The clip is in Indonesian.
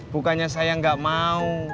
bukannya saya gak mau